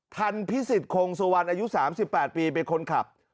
ธันพิสิทธิ์โครงสวรรค์อายุ๓๘ปีเป็นคนขับ